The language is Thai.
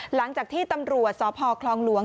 หลังจากที่ตำรวจสพคลองหลวง